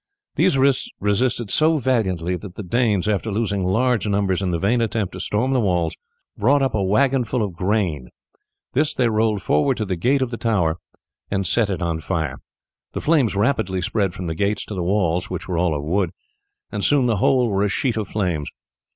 These resisted so valiantly that the Danes, after losing large numbers in the vain attempt to storm the walls, brought up a wagonful of grain; this they rolled forward to the gate of the tower and set it on fire. The flames rapidly spread from the gates to the walls, which were all of wood, and soon the whole were a sheet of flames.